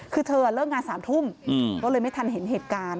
คือเธอเลิกงาน๓ทุ่มก็เลยไม่ทันเห็นเหตุการณ์